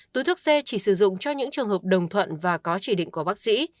túi thuốc c chỉ sử dụng cho những trường hợp đồng thuận và có chỉ định của bác sĩ